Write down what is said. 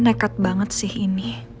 nekat banget sih ini